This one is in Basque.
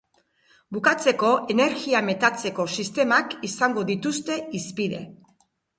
Bukatzeko energia metatzeko sistemak izango dituzte hizpide.